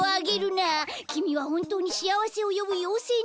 きみはほんとうにしあわせをよぶようせいなの？